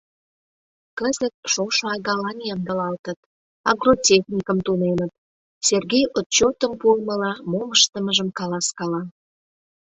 Кызыт шошо агалан ямдылалтыт, агротехникым тунемыт, — Сергей отчетым пуымыла мом ыштымыжым каласкала.